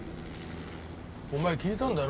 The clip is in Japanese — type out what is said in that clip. お前聞いたんだろ？